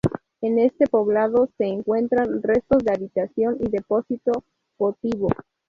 En este poblado se encuentran restos de habitación y depósito votivo.